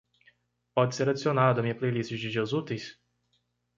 Pode ser adicionado à minha playlist de dias úteis?